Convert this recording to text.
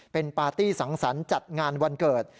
เป็นปาร์ตี้สังสรรค์จัดงานวันเกิด